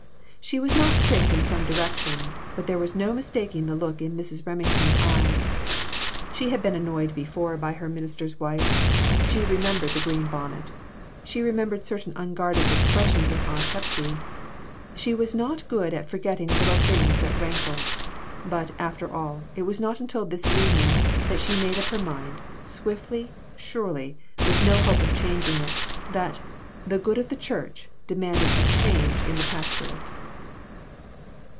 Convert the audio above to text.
She was not quick in some directions, but there was no mistaking the look in Mrs. Remington's eyes. She had been annoyed before by her minister's wife. She remembered the green bonnet. She re membered certain unguarded expressions of Aunt Hepsy's. She was not good at forgetting little things that rankled. But, after all, it was not until this evening that she made up her mind, swiftly, surely, with no hope of changing it, that "the good of the church" demanded a change in their pastorate.